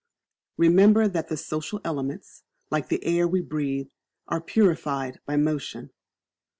Remember that the social elements, like the air we breathe, are purified by motion.